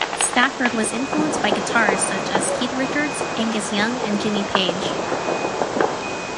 Stafford was influenced by guitarists such as Keith Richards, Angus Young and Jimmy Page.